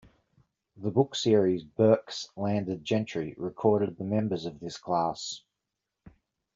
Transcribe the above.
The book series "Burke's Landed Gentry" recorded the members of this class.